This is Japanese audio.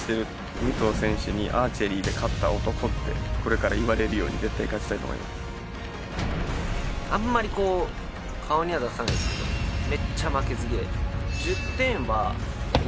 武藤選手にアーチェリーで勝った男ってこれから言われるように、あんまりこう、顔には出さないですけど、めっちゃ負けず嫌い。